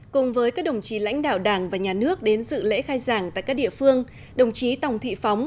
cùng với các đồng chí lãnh đạo đảng và nhà nước đến dự lễ khai giảng tại các địa phương đồng chí tòng thị phóng